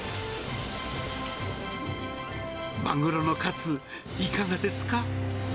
マグロのカツ、いかがですか。